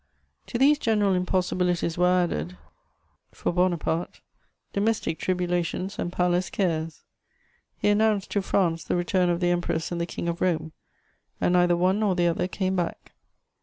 To these general impossibilities were added, for Bonaparte, domestic tribulations and palace cares; he announced to France the return of the Empress and the King of Rome, and neither one nor the other came back.